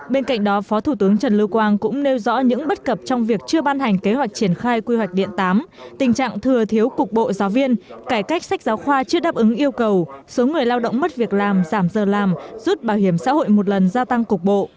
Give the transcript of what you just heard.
bên cạnh đó phó thủ tướng trần lưu quang cũng nêu rõ những bất cập trong việc chưa ban hành kế hoạch triển khai quy hoạch điện tám tình trạng thừa thiếu cục bộ giáo viên cải cách sách giáo khoa chưa đáp ứng yêu cầu số người lao động mất việc làm giảm giờ làm rút bảo hiểm xã hội một lần gia tăng cục bộ